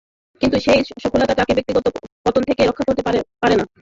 কিন্তু সেই সাফল্য তাঁকে ব্যক্তিগত পতন থেকে রক্ষা করতে পারে না।